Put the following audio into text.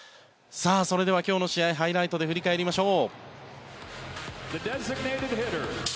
それでは今日の試合ハイライトで振り返りましょう。